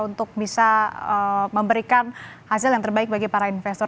untuk bisa memberikan hasil yang terbaik bagi para investor